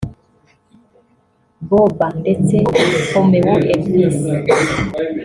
Booba ndetse na Roméo Elvis